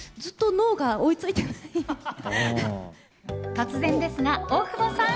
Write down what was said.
突然ですが、大久保さん！